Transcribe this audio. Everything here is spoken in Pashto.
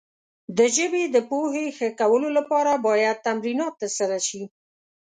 د ژبې د پوهې ښه کولو لپاره باید تمرینات ترسره شي.